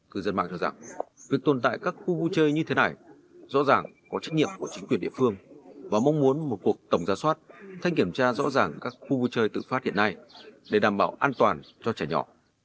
cư dân mạng cho rằng việc tồn tại các khu vui chơi như thế này rõ ràng có trách nhiệm của chính quyền địa phương và mong muốn một cuộc tổng gia soát thanh kiểm tra rõ ràng các khu vui chơi tự phát hiện nay để đảm bảo an toàn cho trẻ nhỏ